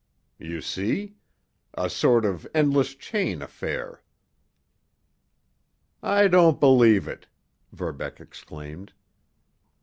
You see? A sort of endless chain affair." "I don't believe it!" Verbeck exclaimed.